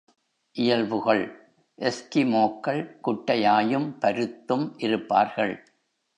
இயல்புகள் எஸ்கிமோக்கள் குட்டையாயும் பருத்தும் இருப்பார்கள்.